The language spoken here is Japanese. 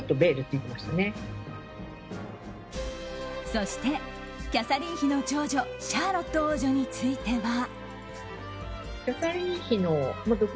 そして、キャサリン妃の長女シャーロット王女については。